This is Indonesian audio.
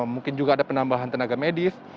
mungkin juga ada penambahan tenaga medis